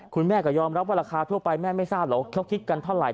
คุณแม่ก็ยอมรับว่าราคาทั่วไปแม่ไม่ทราบหรอกเขาคิดกันเท่าไห